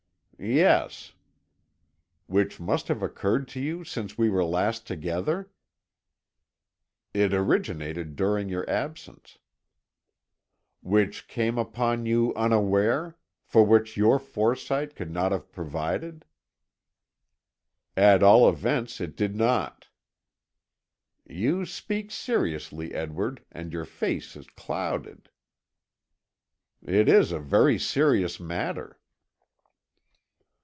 "Yes." "Which must have occurred to you since we were last together?" "It originated during your absence." "Which came upon you unaware for which your foresight could not have provided?" "At all events it did not." "You speak seriously, Edward, and your face is clouded." "It is a very serious matter."